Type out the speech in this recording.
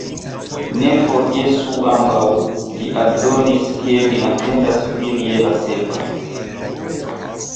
Ne forgesu ambaŭ, li aldonis, ke mi atendas vin je la sepa.